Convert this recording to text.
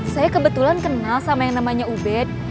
saya kebetulan kenal sama yang namanya ubed